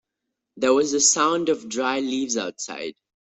There was a sound of dry leaves outside.